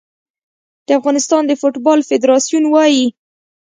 د افغانستان د فوټبال فدراسیون وايي